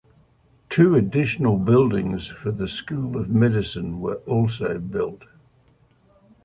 Two additional buildings for the school of medicine were also built.